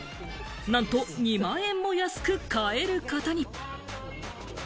なんと２万円も安く買えることに。